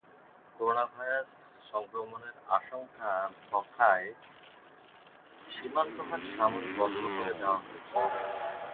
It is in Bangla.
করোনাভাইরাস সংক্রমণের আশঙ্কায় কোথায় সীমান্তহাট সাময়িক বন্ধ করে দেওয়া হয়েছে?